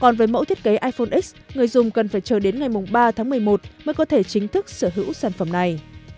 người dùng cần phải chờ đến ngày ba tháng một mươi một mới có thể chính thức sở hữu sản phẩm này